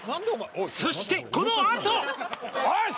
そしてこのあと！」